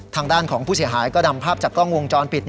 ทางด้านของผู้เสียหายก็นำภาพจากกล้องวงจรปิด